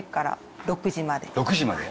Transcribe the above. ６時まで。